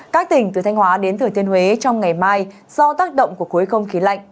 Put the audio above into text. các tỉnh từ thanh hóa đến thừa thiên huế trong ngày mai do tác động của khối không khí lạnh